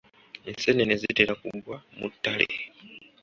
Enseenene zitera kugwa mu ttale.